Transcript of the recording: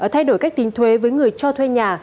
thay đổi cách tính thuế với người cho thuê nhà